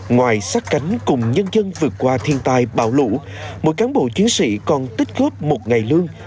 ngoài sát cánh cùng nhân dân vượt qua thiên tai bão lũ mỗi cán bộ chiến sĩ còn tích góp một ngày lương